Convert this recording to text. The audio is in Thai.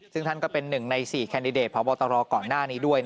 ซึ่งท่านก็เป็น๑ใน๔แคนดิเดตพบตรก่อนหน้านี้ด้วย